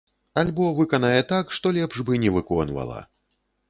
Альбо выканае так, што лепш бы не выконвала.